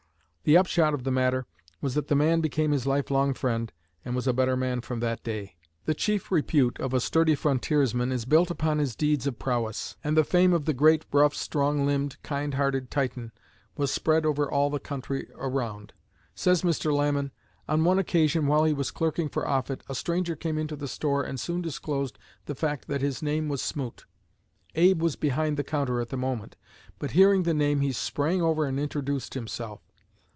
The upshot of the matter was that the man became his life long friend and was a better man from that day." The chief repute of a sturdy frontiersman is built upon his deeds of prowess, and the fame of the great, rough, strong limbed, kind hearted Titan was spread over all the country around. Says Mr. Lamon: "On one occasion while he was clerking for Offutt a stranger came into the store and soon disclosed the fact that his name was Smoot. Abe was behind the counter at the moment, but hearing the name he sprang over and introduced himself.